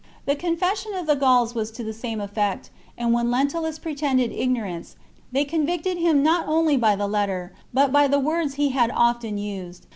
The confession of the Gauls was to the same effect, and when Lentulus pretended ignorance, they con victed him not only by the letter but by the words he had often used.